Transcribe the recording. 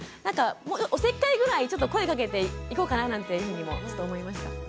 おせっかいぐらいちょっと声かけていこうかななんていうふうにもちょっと思いました。